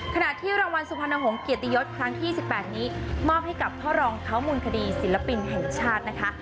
ขณะที่รางวัลสุพรรณหงษ์เกียรติยศครั้งที่๒๘นี้มอบให้กับพ่อรองเขามูลคดีศิลปินแห่งชาตินะคะ